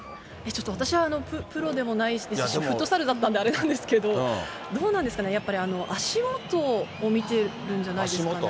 ちょっと私はプロでもないですし、フットサルだったんで、あれなんですけど、どうなんですかね、やっぱり足元を見てるんじゃないですかね。